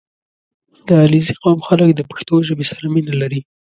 • د علیزي قوم خلک د پښتو ژبې سره مینه لري.